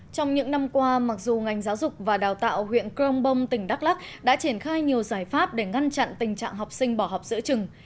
trong những năm qua mặc dù ngành giáo dục và đào tạo huyện crong bong tỉnh đắk lắc đã triển khai nhiều giải pháp để ngăn chặn tình trạng học sinh bỏ học giữa trường